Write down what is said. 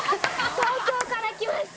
東京から来ました。